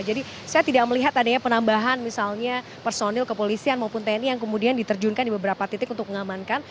jadi saya tidak melihat adanya penambahan misalnya personil kepolisian maupun tni yang kemudian diterjunkan di beberapa titik untuk mengamankan